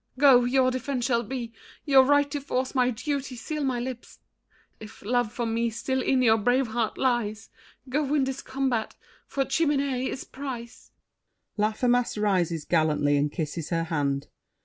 Go; your defense shall be Your right to force my duty, seal my lips! If love for me still in your brave heart lies, Go win this combat, for Chimène is prize." [Laffemas rises gallantly and kisses her hand.